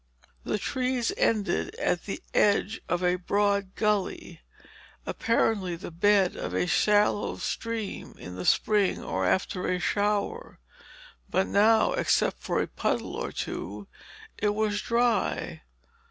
The trees ended at the edge of a broad gully, apparently the bed of a shallow stream in the spring or after a shower; but now, except for a puddle or two, it was dry.